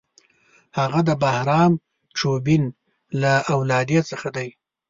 هغه د بهرام چوبین له اولادې څخه دی.